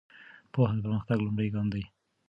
پوهه د پرمختګ لومړی ګام ده.